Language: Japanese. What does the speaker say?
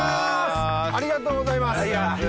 ありがとうございます。